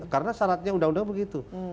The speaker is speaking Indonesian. karena saratnya undang undang begitu